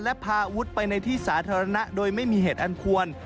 และพาอาวุธไปในที่สาธารณะโดยไม่มีเหตุอันควร